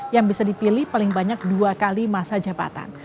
yang bisa dipilih paling banyak dua kali masa jabatan